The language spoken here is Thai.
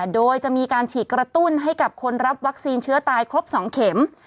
โดยจะมีการฉีดกระตุ้นให้กับคนรับวัคซีนเชื้อตายครบ๒เข็ม